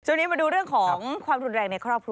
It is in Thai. ช่วงนี้มาดูเรื่องของความรุนแรงในครอบครัว